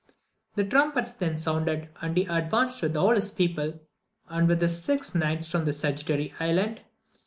The trumpets then sounded, and he advanced with all his people, and with the six knights from the Sagittary Island.